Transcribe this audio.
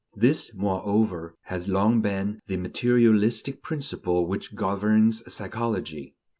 This, moreover, has long been the materialistic principle which governs psychology.